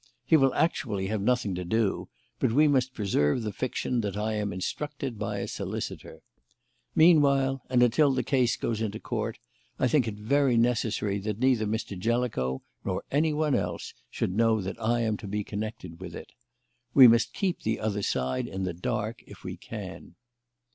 He will actually have nothing to do, but we must preserve the fiction that I am instructed by a solicitor. Meanwhile, and until the case goes into Court, I think it very necessary that neither Mr. Jellicoe nor anyone else should know that I am to be connected with it. We must keep the other side in the dark, if we can."